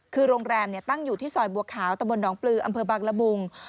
คือโรงแรมตั้งอยู่ที่ซอยบัวขาวตะบนหนองปลืออำเภอบางละมุง